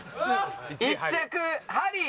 １位ハリー。